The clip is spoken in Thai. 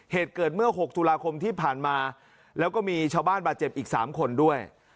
เหตุเกิดเมื่อ๖ตุลาคมที่ผ่านมาแล้วก็มีชาวบ้านบาดเจ็บอีก๓คนด้วย